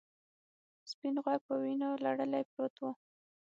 سپین غوږ په وینو لړلی پروت و.